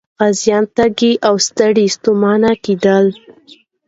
غازيان تږي او ستړي ستومانه کېدل.